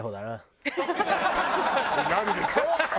なるでしょ？